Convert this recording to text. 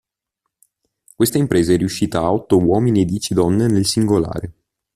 Questa impresa è riuscita a otto uomini e a dieci donne nel singolare.